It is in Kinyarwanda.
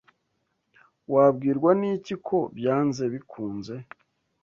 Wabwirwa n'iki ko byanze bikunze?